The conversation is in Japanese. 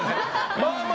まあまあ。